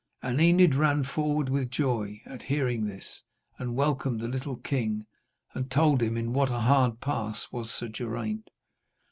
And Enid ran forward with joy at hearing this, and welcomed the little king, and told him in what a hard pass was Sir Geraint.